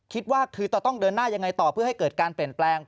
คิดว่าคือจะต้องเดินหน้ายังไงต่อเพื่อให้เกิดการเปลี่ยนแปลง